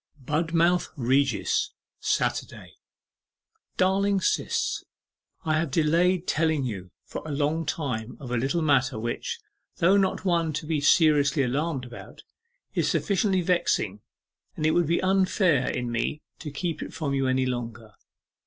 'BUDMOUTH REGIS, Saturday. 'DARLING SIS, I have delayed telling you for a long time of a little matter which, though not one to be seriously alarmed about, is sufficiently vexing, and it would be unfair in me to keep it from you any longer.